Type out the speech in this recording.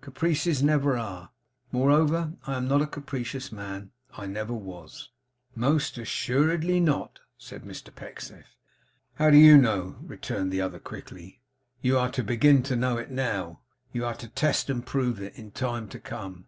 Caprices never are. Moreover, I am not a capricious man. I never was.' 'Most assuredly not,' said Mr Pecksniff. 'How do you know?' returned the other quickly. 'You are to begin to know it now. You are to test and prove it, in time to come.